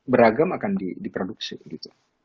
beragam akan diproduksi gitu